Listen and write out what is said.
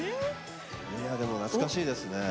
いやでも懐かしいですね。